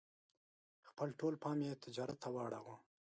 خپل ټول پام یې تجارت ته واړاوه.